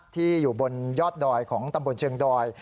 ที่อยู่บนยอดดอยของตำบลเชิงดอย